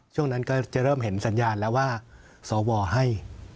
ช่วงนั้นก็จะเริ่มเห็นสัญญาณแล้วว่าสวให้